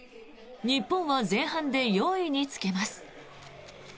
日本は前半で４位につけます。